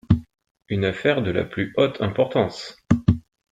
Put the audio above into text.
Une affaire de la plus haute importance !…